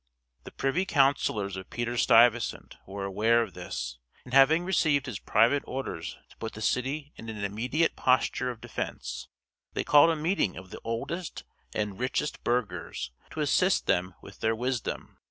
The privy councillors of Peter Stuyvesant were aware of this; and, having received his private orders to put the city in an immediate posture of defense, they called a meeting of the oldest and richest burghers to assist them with their wisdom.